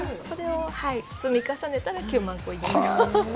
それを積み重ねたら９万個いきました。